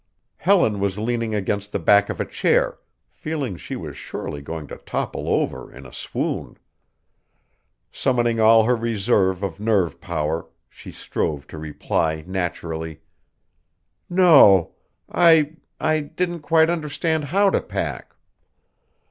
Helen was leaning against the back of a chair, feeling she was surely going to topple over in a swoon. Summoning all her reserve of nerve power, she strove to reply naturally: "No. I I didn't quite understand how to pack."